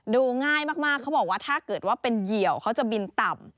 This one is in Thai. ดูง่ายมากเขาบอกว่าถ้าเกิดว่าเป็นเหยี่ยวเขาจะบินต่ำ